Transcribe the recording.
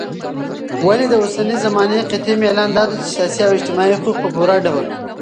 ولي داوسنۍ زماني قطعي ميلان دادى چې سياسي او اجتماعي حقوق په پوره ډول